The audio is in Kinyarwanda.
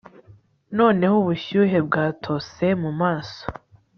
noneho ubushyuhe bwatose mu maso